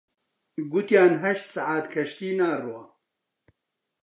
گوتیان هەشت سەعات کەشتی ناڕوا